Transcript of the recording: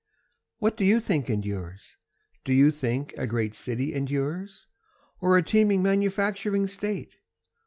What do you think endures? Do you think a great city endures? Or a teeming manufacturing state?